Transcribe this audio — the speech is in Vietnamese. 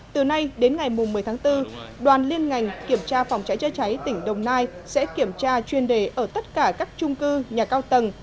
từ nay đến ngày một mươi tháng bốn đoàn liên ngành kiểm tra phòng cháy chữa cháy tỉnh đồng nai sẽ kiểm tra chuyên đề ở tất cả các trung cư nhà cao tầng